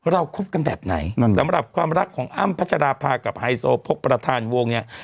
เราครบกันแบบไหนสำหรับความรักของอ้ำพัจจาราภากับไฮโซพกประธานวงเนี่ย